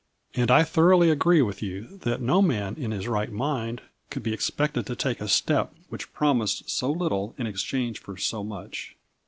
"And I thoroughly agree with you that no man, in his right mind, could be ex pected to take a step which promised so little in exchange for so much.